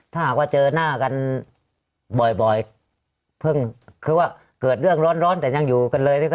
ถ้าหากว่าเจอหน้ากันบ่อยเพิ่งคือว่าเกิดเรื่องร้อนแต่ยังอยู่กันเลย